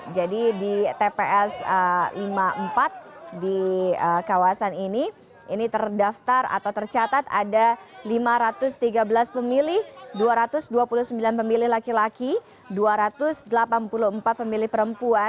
jadi di tps lima puluh empat di kawasan ini ini terdaftar atau tercatat ada lima ratus tiga belas pemilih dua ratus dua puluh sembilan pemilih laki laki dua ratus delapan puluh empat pemilih perempuan